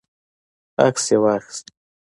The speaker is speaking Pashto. عکس یې واخیست.